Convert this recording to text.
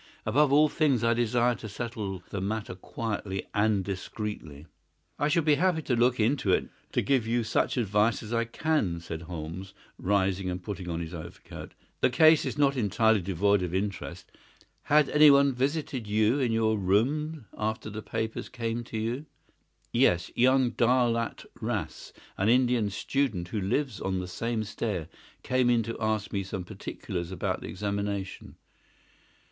Above all things I desire to settle the matter quietly and discreetly." "I shall be happy to look into it and to give you such advice as I can," said Holmes, rising and putting on his overcoat. "The case is not entirely devoid of interest. Had anyone visited you in your room after the papers came to you?" "Yes; young Daulat Ras, an Indian student who lives on the same stair, came in to ask me some particulars about the examination."